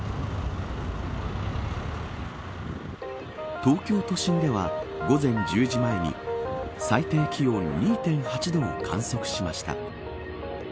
東京都心では午前１０時前に最低気温２．８度を観測しました。